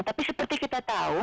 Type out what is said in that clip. tapi seperti kita tahu